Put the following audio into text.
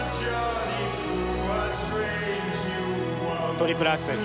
トリプルアクセル。